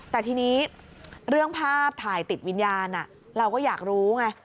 แต่ทีนี้เรื่องภาพถ่ายติดวิญญาณเราก็อยากรู้ไง